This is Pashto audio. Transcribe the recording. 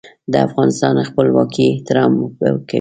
د افغانستان خپلواکۍ احترام به کوي.